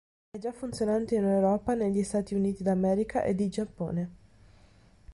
È già funzionante in Europa, negli Stati Uniti d'America, ed in Giappone.